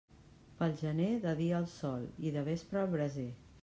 Pel gener, de dia al sol i de vespre al braser.